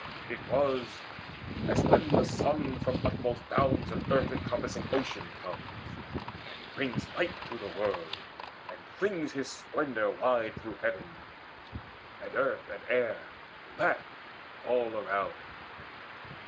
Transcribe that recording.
It was as when the sun from utmost bounds Of earth encompassing ocean comes, and brings Light to the world, and flings his splendour wide Through heaven, and earth and air laugh all around.